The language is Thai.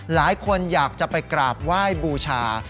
หลายคนอยากจะไปกราบไหว้บูชา